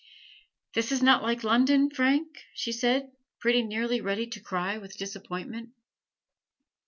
"This is not like London, Frank?" she said, pretty nearly ready to cry with disappointment.